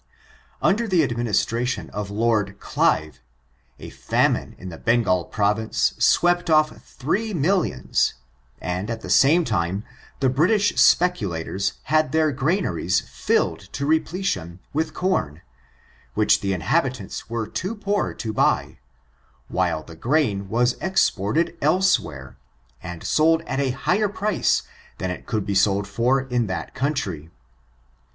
Under the administration of Lord Clivcj a fam ine in the Bengal province swept oflf three mil lions; and, at the same time, the British specula tors had their granaries Jilled to repletion with com, which the inhabitants were too poor to buy, while the grain was exported elsewhere, and sold at a higher price than it could be sold for in that country.